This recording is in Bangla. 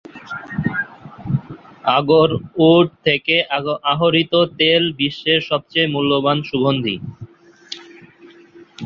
আগর উড থেকে আহরিত তেল বিশ্বের সবচেয়ে মূল্যবান সুগন্ধি।